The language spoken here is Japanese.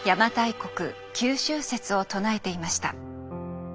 国九州説を唱えていました。